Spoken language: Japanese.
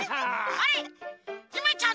あれ？